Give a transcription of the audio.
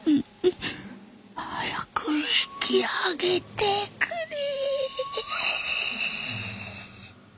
早く引き揚げてくれ。